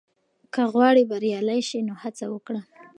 که غواړې بریالی شې، نو هڅه وکړه.